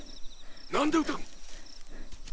何で撃たん！